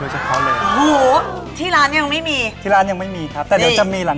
เชฟออฟยังอยู่กับเรา